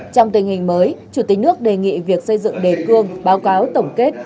trong tình hình mới chủ tịch nước đề nghị việc xây dựng đề cương báo cáo tổng kết